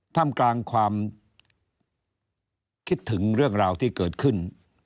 ทำกลางความคิดถึงเรื่องราวที่เกิดขึ้น